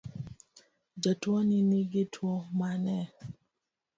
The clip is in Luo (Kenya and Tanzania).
Jatuoni nigi Tuo mane?